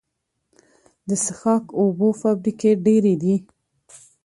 د څښاک اوبو فابریکې ډیرې دي